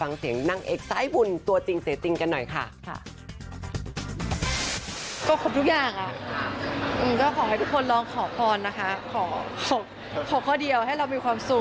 แล้ววันนี้ขวัญคือขอขอเดียวเลยไหม